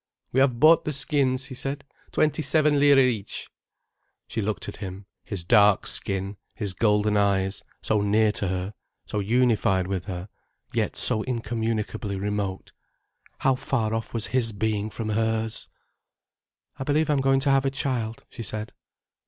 "We have bought the skins," he said. "Twenty seven lire each." She looked at him, his dark skin, his golden eyes—so near to her, so unified with her, yet so incommunicably remote. How far off was his being from hers! "I believe I'm going to have a child," she said.